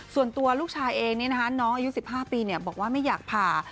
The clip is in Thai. ส่วนตัวลูกชายเองน้องอายุ๑๕ปีบอกว่าไม่อยากผ่า